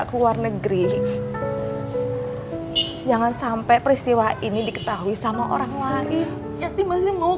ke luar negeri jangan sampai peristiwa ini diketahui sama orang lagi tapi masih mau